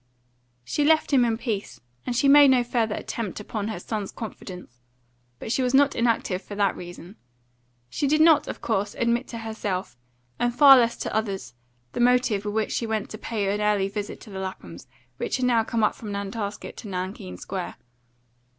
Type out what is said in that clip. She left him in peace, and she made no further attempt upon her son's confidence. But she was not inactive for that reason. She did not, of course, admit to herself, and far less to others, the motive with which she went to pay an early visit to the Laphams, who had now come up from Nantasket to Nankeen Square.